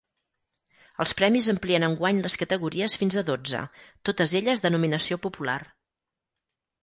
Els premis amplien enguany les categories fins a dotze, totes elles de nominació popular.